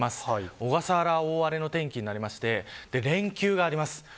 小笠原を大荒れの天気になって連休があります。